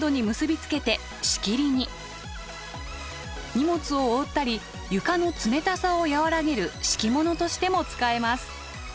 荷物を覆ったり床の冷たさを和らげる敷物としても使えます。